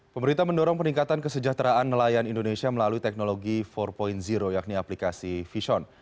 pemerintah mendorong peningkatan kesejahteraan nelayan indonesia melalui teknologi empat yakni aplikasi vision